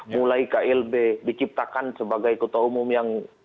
mulai klb diciptakan sebagai kota umum yang